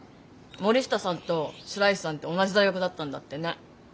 森下さんと白石さんって同じ大学だったんだってね。